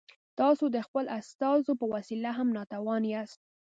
تاسو د خپلو استازو په وسیله هم ناتوان یاست.